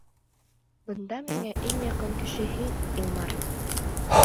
Бында миңә иң яҡын кеше һин, Илмар!